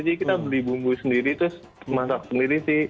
jadi kita beli bumbu sendiri terus masak sendiri sih